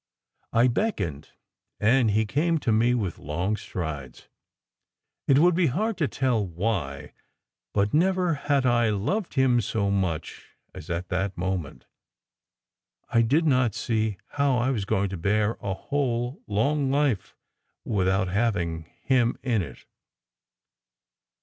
I beckoned, and he came to me with long strides. It would be hard to tell why, but never had I loved him so well as at that moment. I did not see how I was going to bear a whole, long life without having him in it.